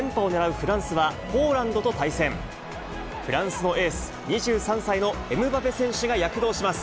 フランスのエース、２３歳のエムバペ選手が躍動します。